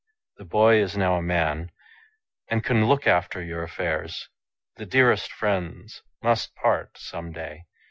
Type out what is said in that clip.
The boy is now a man, and can look after your affairs. The dearest friends must part some day."